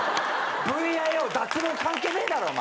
ＶＩＯ脱毛関係ねえだろお前！